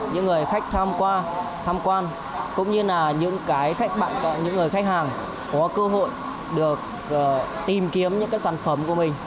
những người khách tham quan cũng như là những người khách hàng có cơ hội được tìm kiếm những sản phẩm của mình